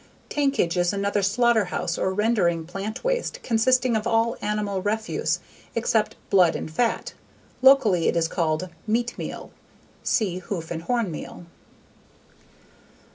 _ Tankage is another slaughterhouse or rendering plant waste consisting of all animal refuse except blood and fat. Locally it is called meat meal. See _Hoof and horn meal.